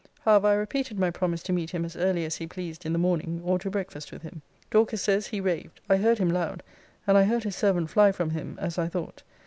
However, I repeated my promise to meet him as early as he pleased in the morning, or to breakfast with him. Dorcas says, he raved: I heard him loud, and I heard his servant fly from him, as I thought.